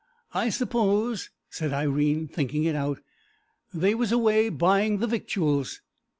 "I suppose," said Irene, thinking it out, "they was away buying the victuals."